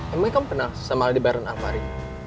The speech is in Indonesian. emangnya kamu kenal sama aldi bareng alvahri